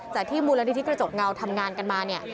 จากที่เมืองเยาะละนิทิกระจกเงาทำงานกันมา